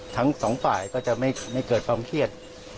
ทั้งสองฝ่ายก็จะไม่เกิดความเครียด